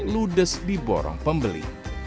ludes di borong pembeli